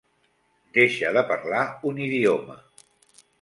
Deixa de parlar un idioma.